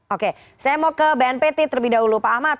oke saya mau ke bnpt terlebih dahulu pak ahmad